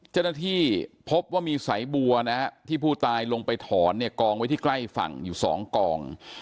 เจ้าหน้าที่พบว่ามีสายบัวนะฮะที่ผู้ตายลงไปถอนเนี่ยกองไว้ที่ใกล้ฝั่งอยู่๒กอง